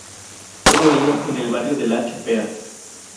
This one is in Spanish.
Todo ello en el barrio de La Chopera.